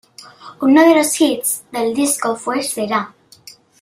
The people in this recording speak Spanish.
Uno de los hits del disco fue "Será".